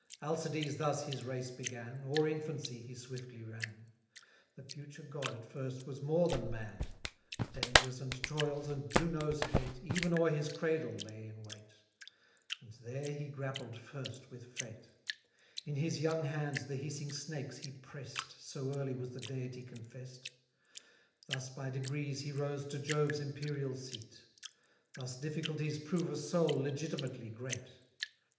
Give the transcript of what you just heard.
Alcides thus his race began, O'er infancy he swiftly ran; The future god at first was more than man: Dangers and toils, and Juno's hate, Even o'er his cradle lay in wait; And there he grappled first with fate: In his young hands the hissing snakes he press'd, So early was the deity confess'd. Thus by degrees he rose to Jove's imperial seat; Thus difficulties prove a soul legitimately great.